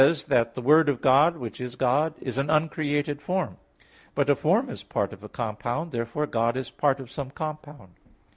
Dom. [Serm. xxxviii]) that, "the word of God, which is God, is an uncreated form." But a form is part of a compound. Therefore God is part of some compound.